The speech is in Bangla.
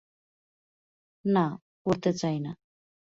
না, পড়তে চাই না।